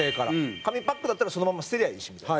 紙パックだったら、そのまんま捨てりゃいいしみたいな。